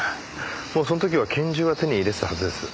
もうその時は拳銃は手に入れてたはずです。